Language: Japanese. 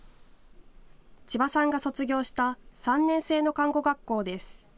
千葉さんが卒業した３年制の看護学校です。